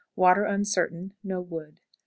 Water uncertain; no wood. 9.